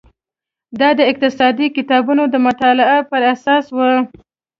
دا د اقتصادي کتابونو د مطالعې پر اساس وای.